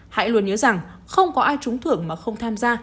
hãy luôn nhớ rằng không có ai trúng thưởng mà không tham gia